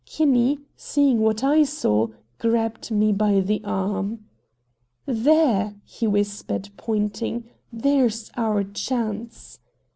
Kinney, seeing what I saw, grabbed me by the arm. "There!" he whispered, pointing; "there's our chance!"